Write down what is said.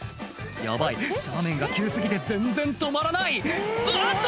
ヤバい斜面が急過ぎて全然止まらないうわっと！